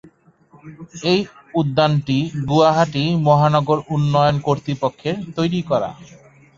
এই উদ্যানটি গুয়াহাটি মহানগর উন্নয়ন কর্তৃপক্ষের তৈরি করা।